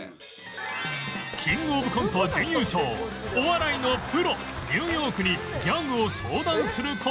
キングオブコント準優勝お笑いのプロニューヨークにギャグを相談する事に